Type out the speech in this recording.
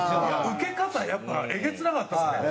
ウケ方やっぱえげつなかったですね